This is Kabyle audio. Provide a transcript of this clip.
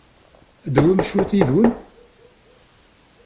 Ad tawim cwiṭ yid-wen?